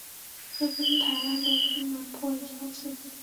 这跟台湾的金门颇为相似。